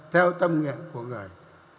theo tâm nguyện của người